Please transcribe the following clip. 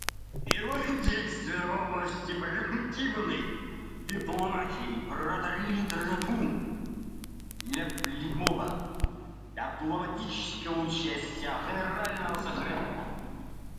Его действия в области превентивной дипломатии проторили тропу для прямого дипломатического участия Генерального секретаря.